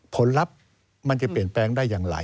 ผลลัพธ์มันจะเปลี่ยนแปลงได้อย่างไร